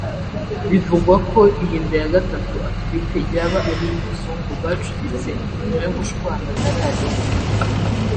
Bivugwa ko iyi nda ya Gatatu atwite yaba ari iy’umuzungu bacuditse nyuma yo gushwana na Radio